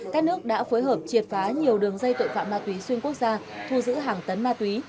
các nước đã phối hợp triệt phá nhiều đường dây tội phạm ma túy xuyên quốc gia thu giữ hàng tấn ma túy